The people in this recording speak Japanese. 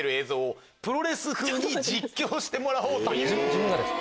自分がですか？